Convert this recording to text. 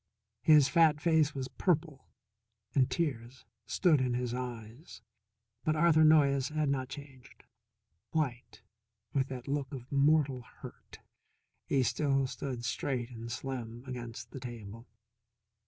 His fat face was purple, and tears stood in his eyes. But Arthur Noyes had not changed. White, with that look of mortal hurt, he still stood straight and slim against the table.